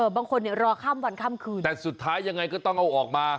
บางคนเนี่ยรอข้ามวันข้ามคืนแต่สุดท้ายยังไงก็ต้องเอาออกมา